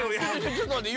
ちょっとまって。